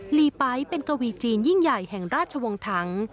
ลีไป๊เป็นกวีจีนยิ่งใหญ่แห่งราชวงศ์ถัง